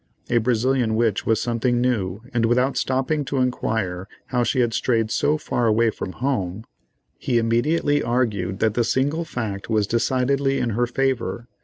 A Brazilian witch was something new, and without stopping to inquire how she had strayed so far away from home, he immediately argued that that single fact was decidedly in her favor.